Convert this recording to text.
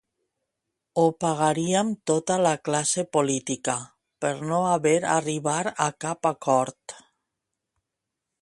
“Ho pagaríem tota la classe política” per no haver arribar a cap acord.